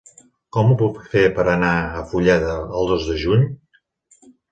Com ho puc fer per anar a Fulleda el dos de juny?